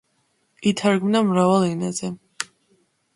ითარგმნა მრავალ ენაზე.